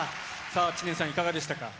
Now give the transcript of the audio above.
さあ、知念さん、いかがでしたか。